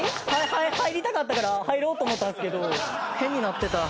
入りたかったから入ろうと思ったんですけど変になってた。